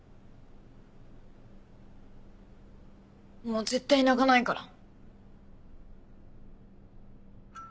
もう絶対泣かないから。